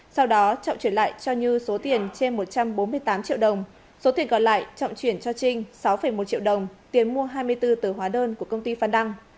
sau đó trọng chuyển lại cho như số tiền trên một trăm bốn mươi tám triệu đồng số tiền còn lại trọng chuyển cho trinh sáu một triệu đồng tiền mua hai mươi bốn tờ hóa đơn của công ty phan đăng